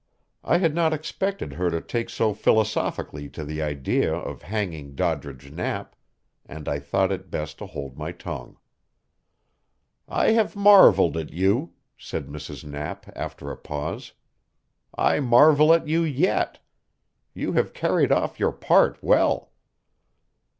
I had not expected her to take so philosophically to the idea of hanging Doddridge Knapp, and I thought it best to hold my tongue. "I have marveled at you," said Mrs. Knapp after a pause. "I marvel at you yet. You have carried off your part well."